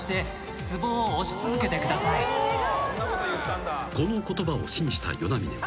［この言葉を信じた與那嶺は］